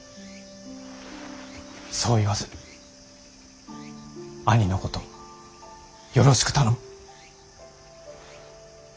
そう言わず兄のことよろしく頼む。